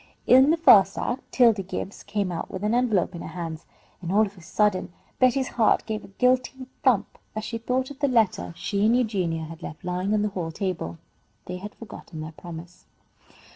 In the first act 'Tildy Gibbs came out with an envelope in her hands, and all of a sudden Betty's heart gave a guilty thump as she thought of the letter she and Eugenia had left lying on the hall table. They had forgotten their promise.